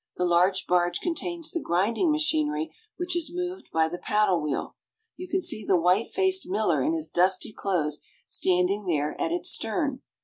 The large barge contains the grinding machinery, which is moved by the paddle wheel. You can see the white faced miller in his dusty clothes standing there at its stern.